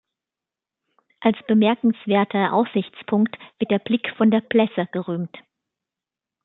Als bemerkenswerter Aussichtspunkt wird der Blick von der Plesse gerühmt.